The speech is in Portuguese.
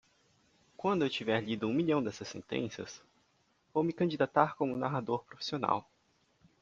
Quando eu tiver lido um milhão dessas sentenças?, vou me candidatar como narrador profissional.